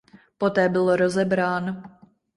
Poté byl rozebrán.